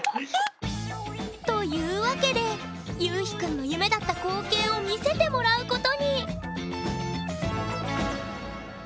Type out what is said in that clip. というわけでゆうひくんの夢だった光景を見せてもらうことに。